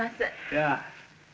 やあ。